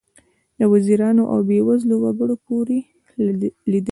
له وزیرانو او بې وزلو وګړو پورې لیدلي.